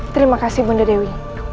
terima kasih bunda dewi